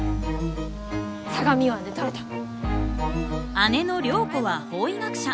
姉の涼子は法医学者。